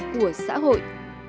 của xã hội